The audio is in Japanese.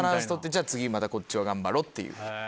じゃあ次またこっちを頑張ろうっていう。